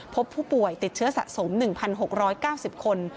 พบผู้ป่วยติดเชื้อสะสม๑๖๙๐คน